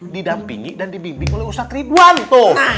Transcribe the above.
didampingi dan dibimbing oleh ustadz ridwan tuh